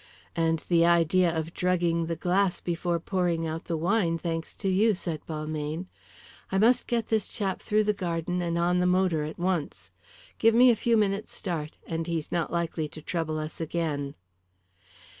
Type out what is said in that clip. "And the idea of drugging the glass before pouring out the wine, thanks to you," said Balmayne. "I must get this chap through the garden and on the motor at once. Give me a few minutes' start, and he's not likely to trouble us again."